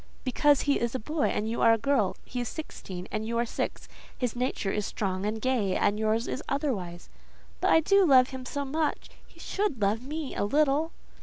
"Because he is a boy and you are a girl; he is sixteen and you are only six; his nature is strong and gay, and yours is otherwise." "But I love him so much; he should love me a little."